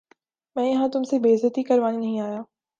میں یہاں تم سے بے عزتی کروانے نہیں آیا